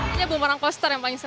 ini bumerang coaster yang paling seru